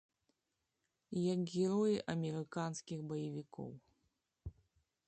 Як героі амерыканскіх баевікоў.